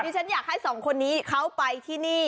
ฉันอยากให้สองคนนี้เขาไปที่นี่